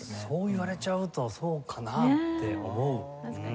そう言われちゃうとそうかなって思う。